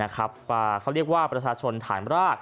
เขาเรียกว่าประชาชนฐานราก